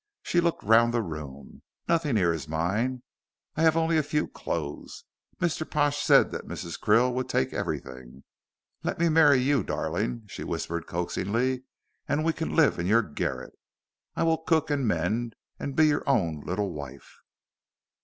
She looked round the room. "Nothing here is mine. I have only a few clothes. Mr. Pash said that Mrs. Krill would take everything. Let me marry you, darling," she whispered coaxingly, "and we can live in your garret. I will cook and mend, and be your own little wife."